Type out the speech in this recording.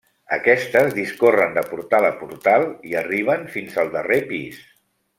Aquestes discorren de portal a portal i arriben fins al darrer pis.